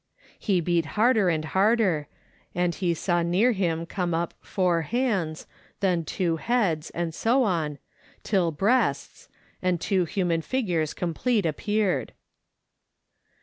He beat harder and harder, and saw near him come up four hands, then two heads, and so on, till breasts, and two human figures complete appeared.